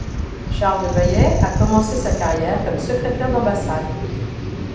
Charles de Baillet a commencé sa carrière comme secrétaire d'ambassade.